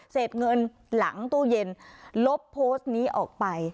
เสร็จเงินหลังตู้เย็นลบโพสต์นี้ออกไป